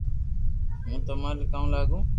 ھون تماري ڪاو لاگو